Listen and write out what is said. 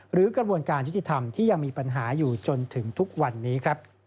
กระบวนการยุติธรรมที่ยังมีปัญหาอยู่จนถึงทุกวันนี้ครับ